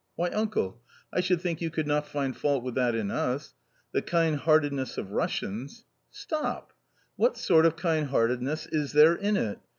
"Why, uncle, I should think you could not find fault with that in us. The kindheartedness of Russians "/ il Stop ! what sort of kindheartedness is there in it?